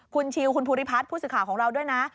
คุณชิวคุณภูริพัฒน์ผู้สื่อข่าวของเราด้วยนะ